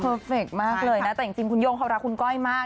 เฟคมากเลยนะแต่จริงคุณโย่งเขารักคุณก้อยมาก